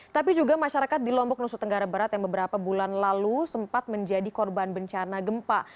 tapi juga masyarakat di lombok nusa tenggara barat yang beberapa bulan lalu sempat menjadi korban bencana gempa